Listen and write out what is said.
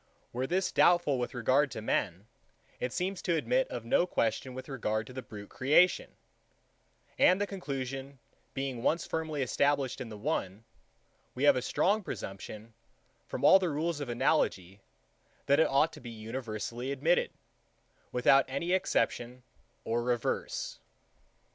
Were this doubtful with regard to men, it seems to admit of no question with regard to the brute creation; and the conclusion being once firmly established in the one, we have a strong presumption, from all the rules of analogy, that it ought to be universally admitted, without any exception or reserve.